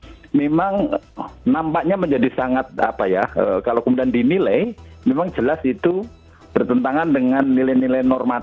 jadi memang nampaknya menjadi sangat kalau kemudian dinilai memang jelas itu bertentangan dengan nilai nilai normal